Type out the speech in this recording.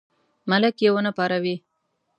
ملک یې ونه پاروي.